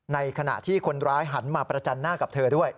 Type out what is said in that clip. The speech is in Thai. ในขณะที่คนร้ายหันมาประจันหน้ากับเธอด้วย